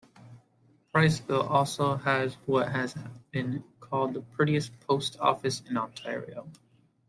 Priceville also has what has been called the prettiest post office in Ontario.